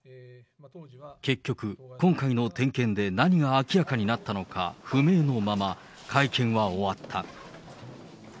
結局、今回の点検で何が明らかになったのか不明のまま、会見は終わった。